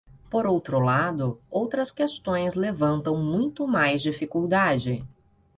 Por outro lado, outras questões levantam muito mais dificuldade.